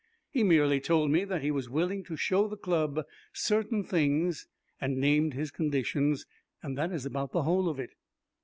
He merely told me that he was willing to show the Club certain things, and named his conditions. That is about the whole of it."